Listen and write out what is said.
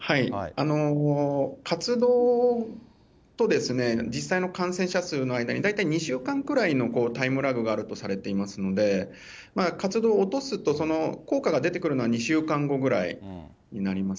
活動と実際の感染者数の間に大体２週間ぐらいのタイムラグがあるとされていますので、活動を落とすと効果が出てくるのは２週間後ぐらいになります。